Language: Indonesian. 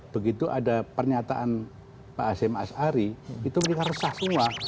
begitu ada pernyataan pak asem ashari itu mereka resah semua